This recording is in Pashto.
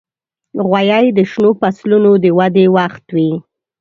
غویی د شنو فصلونو د ودې وخت وي.